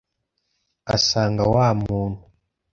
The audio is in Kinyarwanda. asanga wa muntu